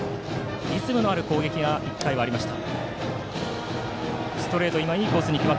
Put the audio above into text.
リズムのある攻撃が１回はありました。